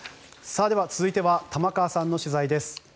では、続いては玉川さんの取材です。